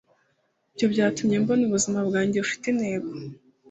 ibyo byatumye mbona ubuzima bwanjye bufite intego